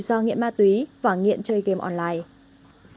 do nghiện ma tùy và nghiện chơi game online